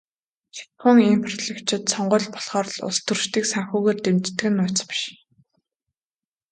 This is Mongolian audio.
Шатахуун импортлогчид сонгууль болохоор л улстөрчдийг санхүүгээр дэмждэг нь нууц биш.